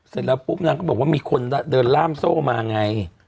เสร็จแล้วปุ๊บนางก็บอกว่ามีคนเดินล่ามโซ่มาไง